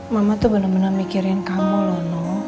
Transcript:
mama tuh bener bener mikirin kamu loh no